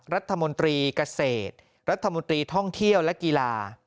รัฐมนตรีเกษตรรัฐมนตรีท่องเที่ยวและกีฬา